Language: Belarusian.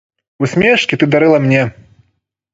Усмешкі ты дарыла мне.